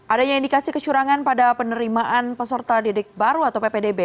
adanya indikasi kecurangan pada penerimaan peserta didik baru atau ppdb